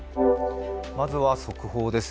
まずは速報です。